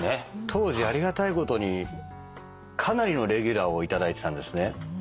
当時ありがたいことにかなりのレギュラーを頂いてたんですね。